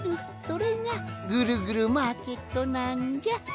それがぐるぐるマーケットなんじゃ。